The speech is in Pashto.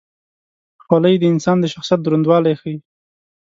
خولۍ د انسان د شخصیت دروندوالی ښيي.